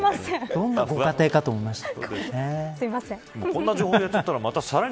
どんなご家庭かと思いました。